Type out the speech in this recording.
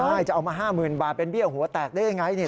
ใช่จะเอามา๕๐๐๐บาทเป็นเบี้ยหัวแตกได้ยังไง